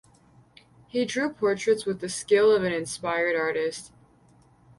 He drew portraits with the skill of an inspired artist.